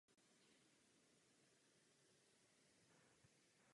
I declare adjourned the session of the European Parliament.